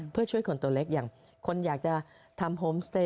เพื่อช่วยคนตัวเล็กอย่างคนอยากจะทำโฮมสเตย